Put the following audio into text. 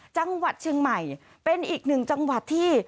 จังหวัดเชียงใหม่เป็นอีกหนึ่งจังหวัดที่